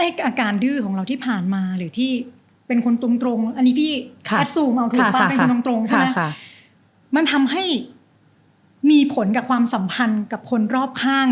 แล้วอาการดื้อของเราที่ผ่านมาหรือที่เป็นคนตรงมันทำให้มีผลกับความสัมพันธ์กับคนรอบข้าง